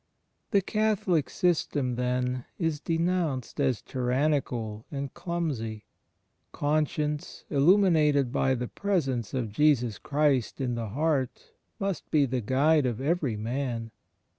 " The Catholic system, then, is denomiced as tyrannical and clumsy. Conscience illuminated by the Presence of Jesus Christ in the heart must be the guide of every man.